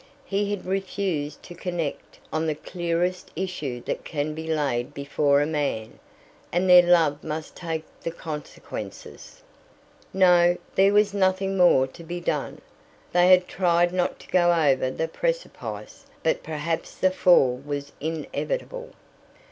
He had refused to connect, on the clearest issue that can be laid before a man, and their love must take the consequences. No, there was nothing more to be done. They had tried not to go over the precipice but perhaps the fall was inevitable.